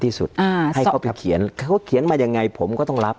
ที่สุดอ่าให้เขาไปเขียนเขาเขียนมายังไงผมก็ต้องรับ